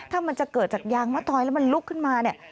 ถ้ามันจะเกิดจากยางมะตอยแล้วมันลุกขึ้นมาเนี่ย